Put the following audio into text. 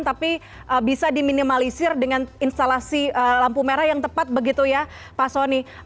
tapi bisa diminimalisir dengan instalasi lampu merah yang tepat begitu ya pak soni